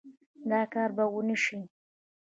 دا کار به ونشي